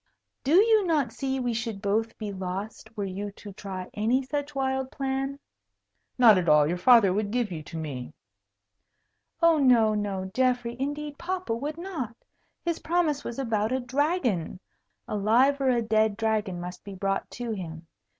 Do you not see we should both be lost, were you to try any such wild plan?" "Not at all. Your father would give you to me." "Oh, no, no, Geoffrey; indeed, papa would not. His promise was about a dragon. A live or a dead dragon must be brought to him.